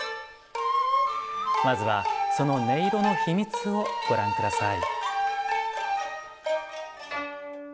まずはその音色の秘密をご覧下さい。